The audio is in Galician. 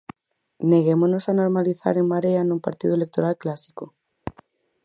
Neguémonos a normalizar En Marea nun partido electoral clásico.